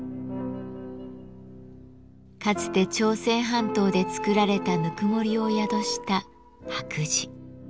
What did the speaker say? かつて朝鮮半島で作られたぬくもりを宿した白磁。